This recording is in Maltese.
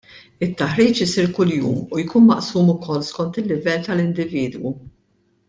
It-taħriġ isir kuljum u jkun maqsum ukoll skont il-livell tal-individwu.